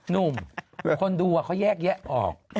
หนุ่มคนดูเขาแยกแยะออก